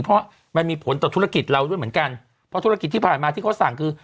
เพราะมันมีผลต่อธุรกิจเราด้วยเหมือนกันเพราะธุรกิจที่ผ่านมาที่เขาสั่งคือ